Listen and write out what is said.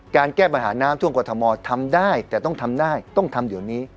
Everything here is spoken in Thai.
แก้ปัญหาน้ำท่วมกรทมทำได้แต่ต้องทำได้ต้องทำเดี๋ยวนี้